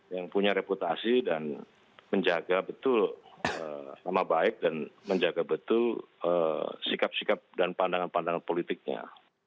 yang punya reputasi dan menjaga betul nama baik dan menjaga betul sikap sikap dan pandangan pandangan politiknya